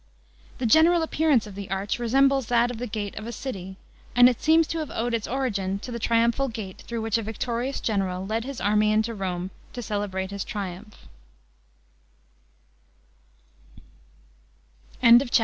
The general appearance of the arch resembles that of the gate of a city, and it seems to have owed its origin to the Triumphal Gate through which a victorious general led his army into Rome to celebrate his triumph *hr.